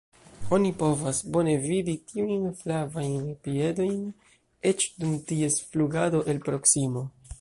Oni povas bone vidi tiujn flavajn piedojn eĉ dum ties flugado, el proksimo.